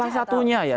salah satunya ya